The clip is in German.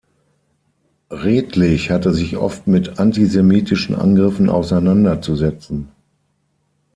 Redlich hatte sich oft mit antisemitischen Angriffen auseinanderzusetzen.